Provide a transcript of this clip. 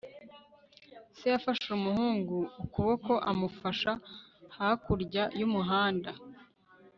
se yafashe umuhungu ukuboko amufasha hakurya y'umuhanda. (lukaszpp